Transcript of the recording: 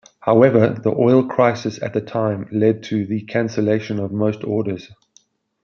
However, the oil crisis at the time led to the cancellation of most orders.